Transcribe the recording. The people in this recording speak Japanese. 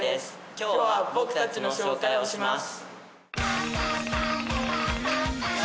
今日は僕たちの紹介をします。